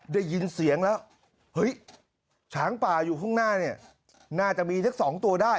ได้ยินเสียงแล้วเฮ้ยช้างป่าอยู่ข้างหน้าเนี่ยน่าจะมีสัก๒ตัวได้